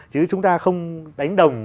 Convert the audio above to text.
chứ chúng ta không đánh đồng